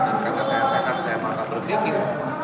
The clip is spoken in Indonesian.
dan karena saya sehat saya maka berpikir